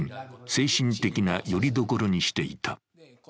精神的なよりどころにしていた。